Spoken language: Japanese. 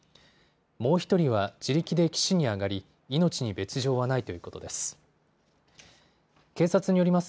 もう１人は自力で岸に上がり、命に別状はないということです。